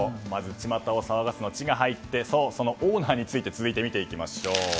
ちまたを騒がすの「チ」が入ってそのオーナーについて続いて、見ていきましょう。